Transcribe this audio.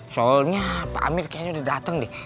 soalnya pak amir kayaknya udah dateng deh